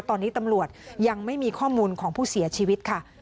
ตอนนี้ตำรวจยังไม่มีข้อมูลของผู้เสียชีวิตค่ะ